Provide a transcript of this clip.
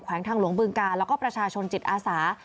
ทางหลวงบึงกาลแล้วก็ประชาชนจิตอาสา